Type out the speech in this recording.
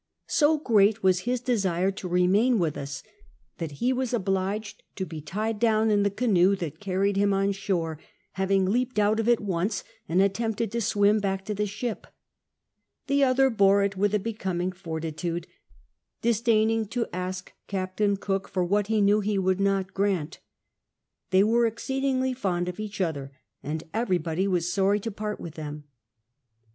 So great was his desire to remain with us that he was obliged to be tied down in the canoe that carried him on ^ore, having leaped out of it once and attempted to swim back to the ship ; the other boro it with a becoming forti tude, disdaining to ask Captain Cook for what ho knew he would not grant. They were exceedingly fond of each other, and everybody was sorry to part with them.